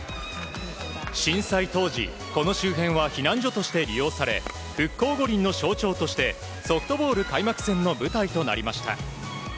震災当時、この周辺は避難所として利用され復興五輪の象徴としてソフトボール開幕戦の舞台となりました。